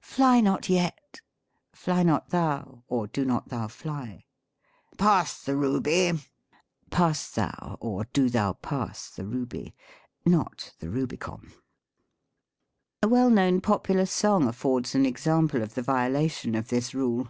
"Fly not yet;" "fly not thou, or do not thou fly." "Pass the ruby;" "pass thou, or do thou pass the ruby" (not the RubicoM\ i SYNTAX. 79 A well known popular song affords an example of the violation of this rule.